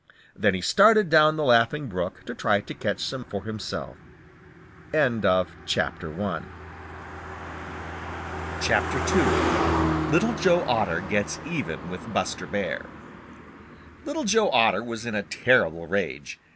Then he started down the Laughing Brook to try to catch some for himself. II LITTLE JOE OTTER GETS EVEN WITH BUSTER BEAR Little Joe Otter was in a terrible rage.